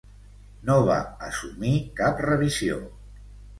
No va assumir cap revisió.